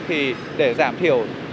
thì để giảm thiểu